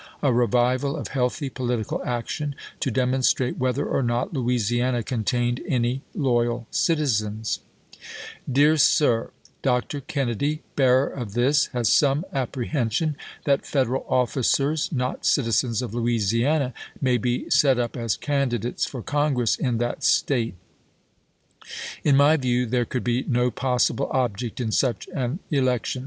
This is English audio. a revival of healthy political action to demonstrate whether or not Louisiana contained any loyal citizens : Dear Sir: Dr. Kennedy, bearer of this, has some apprehension that Federal ofl&cers, not citizens of Loui siana, may he set up as candidates for Congress in that State. In my ^de"w there could be no possible object in such an election.